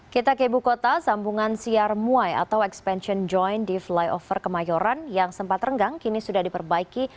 kita ke ibu kota sambungan siar muay atau expansion joint di flyover kemayoran yang sempat renggang kini sudah diperbaiki